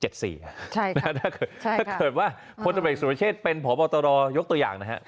ถ้าเกิดว่าพลตบุตรเอกสุรเชษเป็นผอบอตรอยกตัวอย่าง